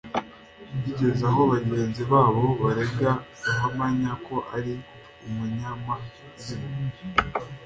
bigeze aho bagenzi babo barega ruhamanya ko ari umunyamazimwe